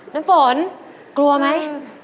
น้ำฝนกลัวไหม